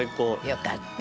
よかった。